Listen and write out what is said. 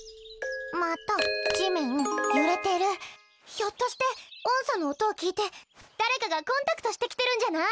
ひょっとして音叉の音を聴いて誰かがコンタクトしてきてるんじゃない？